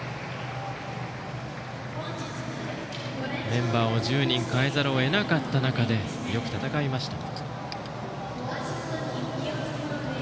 メンバーを１０人代えざるを得なかった中でよく戦いました。